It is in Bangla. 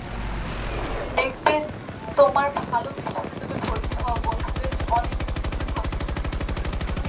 দেখবে, তোমার ভালো বিশ্ববিদ্যালয়ে ভর্তি হওয়া বন্ধুদের অনেকের চেয়ে তুমি ভালো করছ।